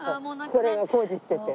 これが工事してて。